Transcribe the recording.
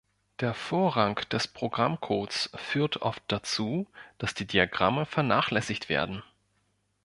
Der Vorrang des Programm-Codes führt oft dazu, dass die Diagramme vernachlässigt werden.